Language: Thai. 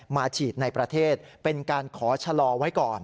มาฉีดในประเทศเป็นการขอชะลอไว้ก่อน